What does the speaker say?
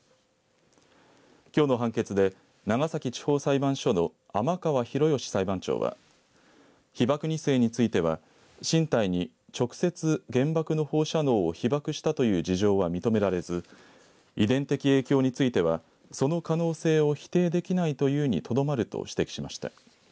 きょうの判決で長崎地方裁判所の天川博義裁判長は被爆２世については身体に直接原爆の放射能を被爆したという事情は認められず遺伝的影響についてはその可能性を否定できないというにとどまると指摘しました。